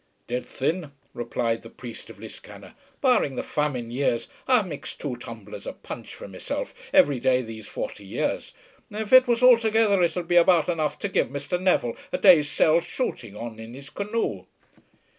"'Deed thin," replied the priest of Liscannor, "barring the famine years, I've mixed two tumblers of punch for meself every day these forty years, and if it was all together it'd be about enough to give Mr. Neville a day's sale shooting on in his canoe."